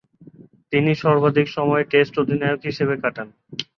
তিনি সর্বাধিক সময় টেস্ট অধিনায়ক হিসেবে কাটান।